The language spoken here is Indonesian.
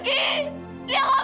selamat tinggal is